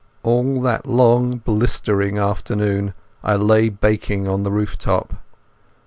All that long blistering afternoon I lay baking on the rooftop.